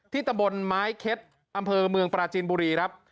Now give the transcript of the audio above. ตำบลไม้เค็ดอำเภอเมืองปราจีนบุรีครับ